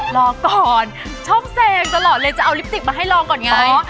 รอก่อนช่องแซงตลอดเลยจะเอาลิปติกมาให้ลองก่อนไง